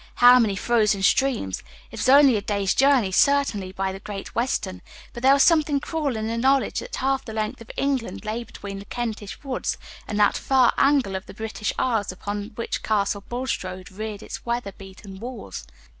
how many frozen streams! It was only a day's journey, certainly, by the Great Western; but there was something cruel in the knowledge that half the length of England lay between the Kentish woods and that far angle of the British Isles upon which Castle Bulstrode reared its weather beaten walls.